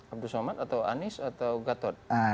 abdus somad atau anies atau gatot